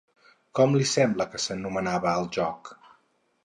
Com li sembla que s'anomenava el joc?